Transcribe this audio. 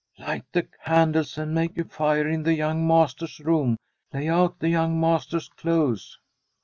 ' Light the candles and make a fire in the young master's room. Lay out the young mas ter's clothes.'